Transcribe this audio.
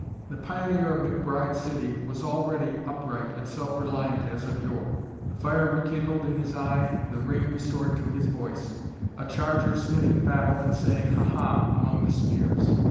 The pioneer of McBride City was already upright and self reliant as of yore; the fire rekindled in his eye, the ring restored to his voice; a charger sniffing battle and saying ha ha, among the spears.